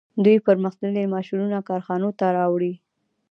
دوی پرمختللي ماشینونه کارخانو ته راوړي